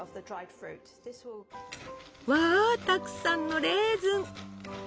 わたくさんのレーズン！